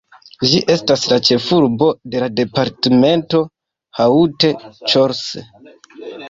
Ĝi estas la ĉefurbo de la departemento Haute-Corse.